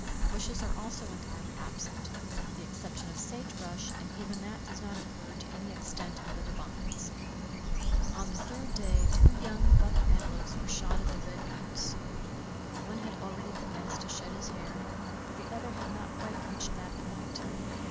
Bushes are also entirely absent, with the exception of sage brush, and even that does not occur to any extent on the divides. On the third day two young buck antelopes were shot at the Red Buttes. One had already commenced to shed his hair, but the other had not quite reached that point.